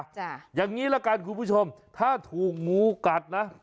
อย่างนี้ละกันคุณผู้ชมถ้าถูกงูกัดนะ